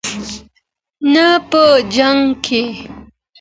نه په جنګ کې.